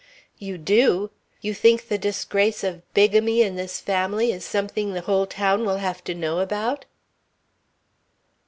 "You do! You think the disgrace of bigamy in this family is something the whole town will have to know about?"